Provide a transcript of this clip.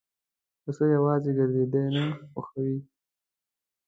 پسه یواځی ګرځېدل نه خوښوي.